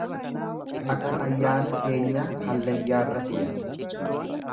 Akka ayyaana keenyaa hallayyaarra teenya.